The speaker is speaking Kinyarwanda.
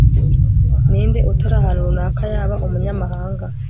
ninde utari ahantu runaka yaba umunyamahanga